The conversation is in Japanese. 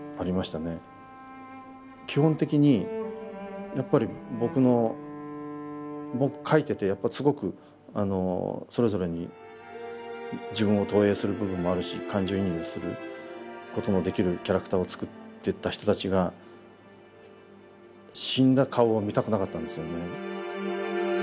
基本的にやっぱり僕の僕書いててやっぱすごくあのそれぞれに自分を投影する部分もあるし感情移入することのできるキャラクターを作ってた人たちが死んだ顔を見たくなかったんですよね。